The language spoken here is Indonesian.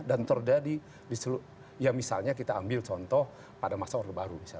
dan terjadi ya misalnya kita ambil contoh pada masa warga baru